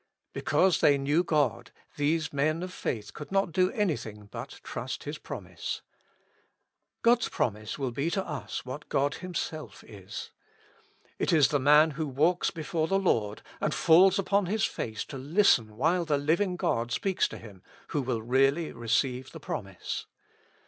Because they knew God these men of faith could not do anything but trust His promise. God's promise will be to us what God Himself is. It is the man who walks before the Lord, and falls upon his face to listen while the living God speaks to him, who will really receive the promise.